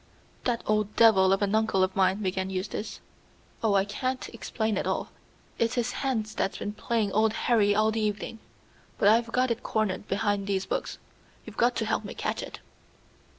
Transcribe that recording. "That old devil of an uncle of mine," began Eustace "oh, I can't explain it all. It's his hand that's been playing old Harry all the evening. But I've got it cornered behind these books. You've got to help me catch it."